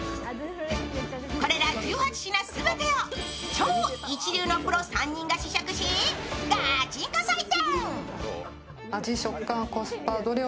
これら１８品全てを超一流の３人が試食し、ガチンコ採点。